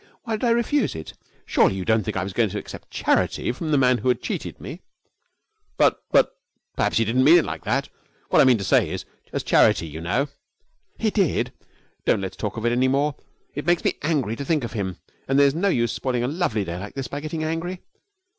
Why did I refuse it? Surely you don't think I was going to accept charity from the man who had cheated me?' 'But but perhaps he didn't mean it like that. What I mean to say is as charity, you know.' 'He did! But don't let's talk of it any more. It makes me angry to think of him, and there's no use spoiling a lovely day like this by getting angry.'